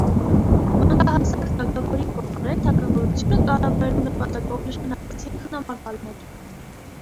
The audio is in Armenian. Մանկահասակ թագավորի փոխարեն թագավորությունը կառավարելու նպատակով նշանակվեցին խնամակալներ։